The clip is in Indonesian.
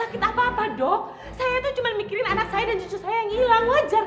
enggak saya tuh gak sakit apa apa dok saya tuh cuma mikirin anak saya dan cucu saya yang hilang wajar